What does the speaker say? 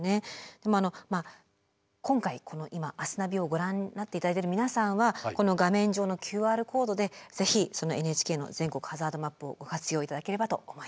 今回この今「明日ナビ」をご覧になっていただいてる皆さんはこの画面上のＱＲコードで是非ＮＨＫの全国ハザードマップをご活用いただければと思います。